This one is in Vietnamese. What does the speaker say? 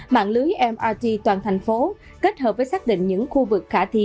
mạng lưới mrt toàn thành phố kết hợp với xác định những khu vực khả thi